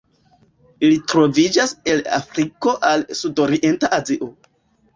Ili troviĝas el Afriko al Sudorienta Azio.